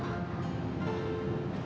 aku mau makan yang mahal